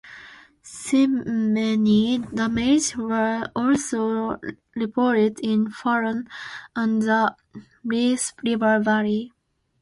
Chimney damage were also reported in Fallon and the Reese River Valley.